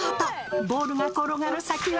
ボールが転がる先は？